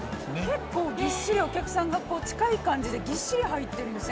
結構ぎっしりお客さんがこう近い感じでぎっしり入ってるんですね